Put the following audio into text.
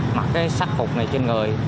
mặc cái sắc phục này trên người